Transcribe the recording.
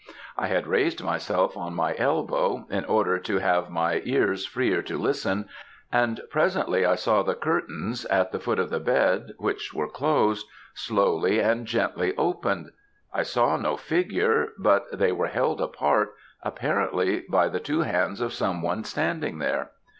I had raised myself on my elbow, in order to have my ears freer to listen, and presently I saw the curtains at the foot of the bed, which were closed, slowly and gently opened. I saw no figure, but they were held apart, apparently by the two hands of some one standing there.